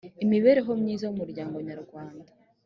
imibereho myiza y umuryango nyarwanda